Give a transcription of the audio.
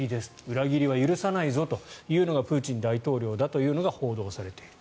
裏切りは許さないぞというのがプーチン大統領だというのが報道されている。